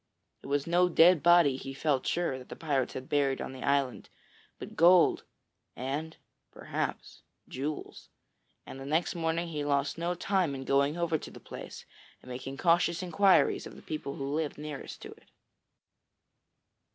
It was no dead body, he felt sure, that the pirates had buried on the island, but gold and, perhaps, jewels; and the next morning he lost no time in going over to the place and making cautious inquiries of the people who lived nearest to it.